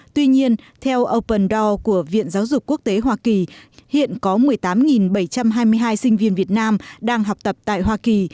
tuy nhiên theo opendor của viện giáo dục quốc tế hoa kỳ hiện có một mươi tám bảy trăm hai mươi hai sinh viên việt nam đang học tập tại hoa kỳ